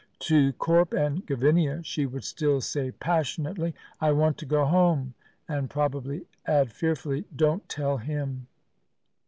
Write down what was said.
To Corp and Gavinia she would still say passionately, "I want to go home!" and probably add fearfully, "Don't tell him."